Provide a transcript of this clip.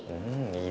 いい